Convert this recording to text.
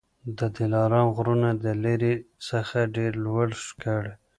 د دلارام غرونه د لیري څخه ډېر لوړ ښکاري